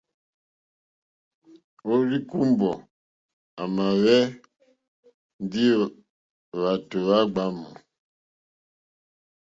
Òrzíkùmbɔ̀ à mà hwɛ́ ndí hwàtò hwá gbǎmù.